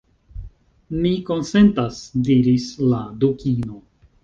« Mi konsentas," diris la Dukino.